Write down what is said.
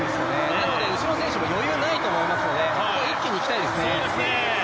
なので、後ろの選手も余裕ないと思いますので一気にいきたいですね。